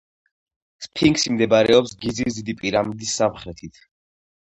სფინქსი მდებარეობს გიზის დიდი პირამიდის სამხრეთით.